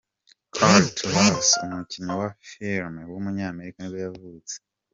Kurt Russell, umukinnyi wa filime w’umunyamerika nibwo yavutse.